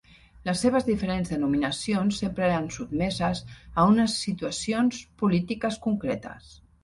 Les seves diferents denominacions sempre eren sotmeses a unes situacions polítiques concretes.